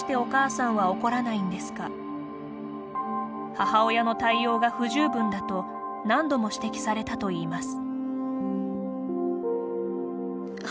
母親の対応が不十分だと何度も指摘されたといいます。